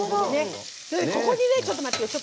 ここにね、ちょっと待ってね。